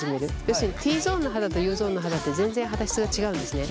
要するにＴゾーンの肌とＵゾーンの肌って全然肌質が違うんですね。